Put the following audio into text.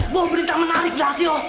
mau berita menarik gracio